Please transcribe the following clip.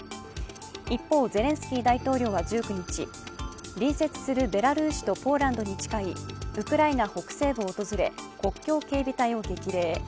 一方、ゼレンスキー大統領は１９日隣接するベラルーシとポーランドに近いウクライナ北西部を訪れ国境警備隊を激励。